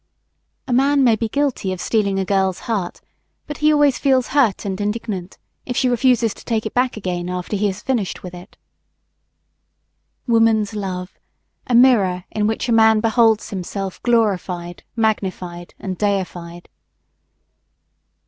A man may be guilty of stealing a girl's heart, but he always feels hurt and indignant if she refuses to take it back again after he has finished with it. Woman's love a mirror in which a man beholds himself glorified, magnified and deified.